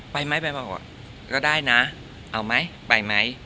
ไปไหมไปไหมก็ได้นะเอาไหมไปไหม